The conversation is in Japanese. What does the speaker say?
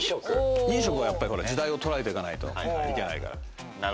飲食はやっぱり時代をとらえていかないといけないから。